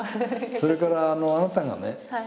それからあなたがね